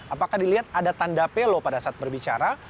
apakah dilihat ada tanda pelo pada saat berbicara